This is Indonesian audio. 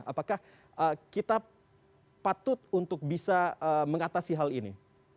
apakah kita patut untuk bisa mengatasi hal ini